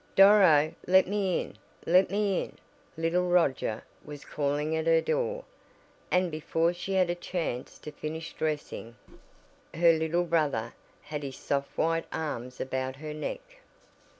"Doro, let me in! Let me in!" little Roger was calling at her door, and before she had a chance to finish dressing, her little brother had his soft white arms about her neck.